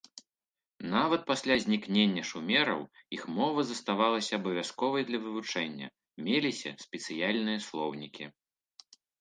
Нават пасля знікнення шумераў іх мова заставалася абавязковай для вывучэння, меліся спецыяльныя слоўнікі.